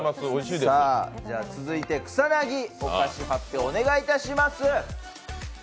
続いて、草薙お菓子発表お願いいたします。